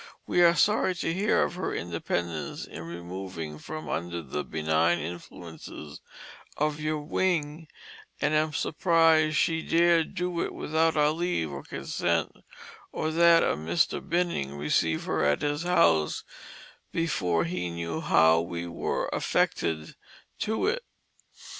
We are sorry to hear of her Independence in removing from under the Benign Influences of your Wing & am surprised she dare do it without our leave or consent or that Mr. Binning receive her at his house before he knew how we were affected to it.